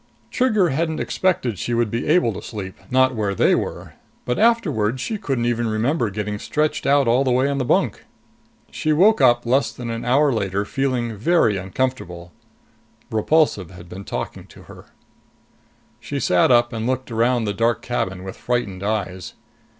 Trigger hadn't expected she would be able to sleep, not where they were. But afterwards she couldn't even remember getting stretched out all the way on the bunk. She woke up less than an hour later, feeling very uncomfortable. Repulsive had been talking to her. She sat up and looked around the dark cabin with frightened eyes.